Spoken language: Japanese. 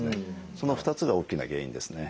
その２つが大きな原因ですね。